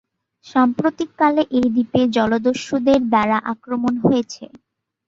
সাম্প্রতিককালে এই দ্বীপে জলদস্যুদের দ্বারা আক্রমণ হয়েছে।